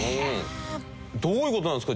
どういう事なんですか？